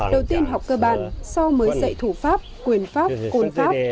đầu tiên học cơ bản sau mới dạy thủ pháp quyền pháp côn pháp